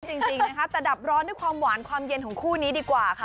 จริงนะคะแต่ดับร้อนด้วยความหวานความเย็นของคู่นี้ดีกว่าค่ะ